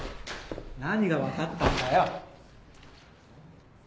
何がわかったんだよ？